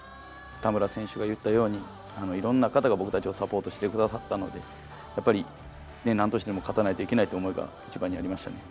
田村選手が言ったようにいろんな方が僕たちをサポートしてくださったのでやっぱり何としても勝たないといけないという思いが一番にありましたね。